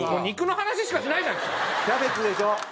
肉の話しかしないじゃん！